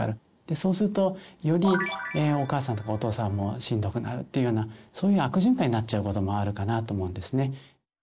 そうするとよりお母さんとかお父さんもしんどくなるっていうようなそういう悪循環になっちゃうこともあるかなと思うんですね。